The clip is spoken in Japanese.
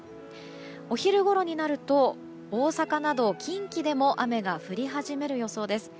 お昼ごろになると大阪など近畿でも雨が降り始める予想です。